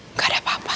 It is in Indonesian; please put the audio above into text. nggak ada apa apa